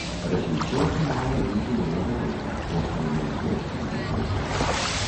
Развіццё атрымала і жывёлагадоўля, у асноўным авечкі і козы.